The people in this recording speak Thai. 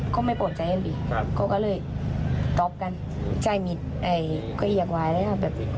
เขาไม่โปรดใจอันดีกลับกันใช่มิดไอด์เก้าอีอกว้ายแล้ว